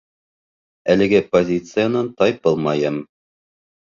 Әлеге позициянан тайпылмайым.